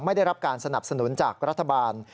ไม่ได้รับการสนับสนุนจากรัฐบาล